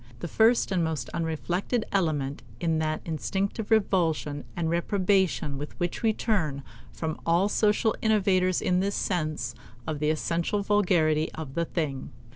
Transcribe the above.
The first and most unreflected element in that instinctive revulsion and reprobation with which we turn from all social innovators is this sense of the essential vulgarity of the thing.